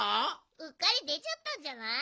うっかりでちゃったんじゃない？